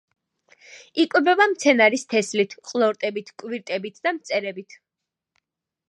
იკვებება მცენარის თესლით, ყლორტებით, კვირტებით და მწერებით.